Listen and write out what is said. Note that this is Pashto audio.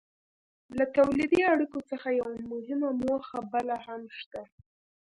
له تولیدي اړیکو څخه یوه مهمه موخه بله هم شته.